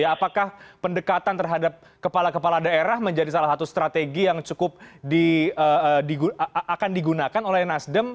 apakah pendekatan terhadap kepala kepala daerah menjadi salah satu strategi yang cukup akan digunakan oleh nasdem